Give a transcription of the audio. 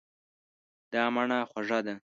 دا مڼه خوږه ده.